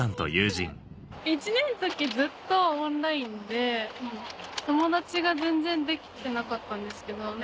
１年の時ずっとオンラインで友達が全然できてなかったんですけど。